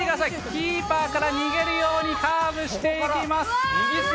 キーパーから逃げるようにカーブしていきます。